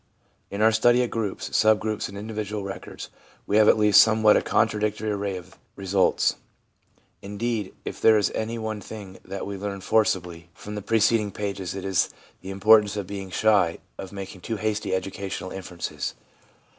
In our study of groups, sub groups and individual records, we have at last a somewhat contradictory array of results. Indeed, if there is any one thing that we learn forcibly 408 SOME EDUCATIONAL INFERENCES 409 from the preceding pages, it is the importance of being shy of making too hasty educational inferences.